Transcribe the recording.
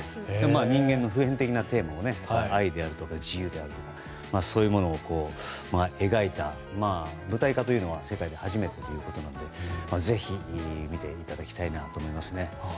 人間の普遍的なテーマ愛であるとか自由であるとかそういうものを描いた舞台化というのは世界で初めてということなのでぜひ見ておいていただきたいと思います。